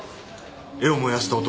絵を燃やした男。